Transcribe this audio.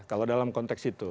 kalau dalam konteks itu